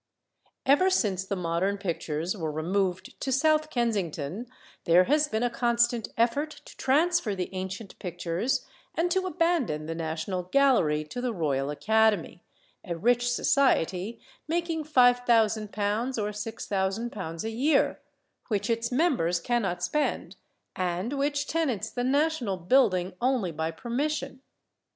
Ever since the modern pictures were removed to South Kensington, there has been a constant effort to transfer the ancient pictures and to abandon the National Gallery to the Royal Academy a rich society, making £5000 or £6000 a year, which its members cannot spend, and which tenants the national building only by permission.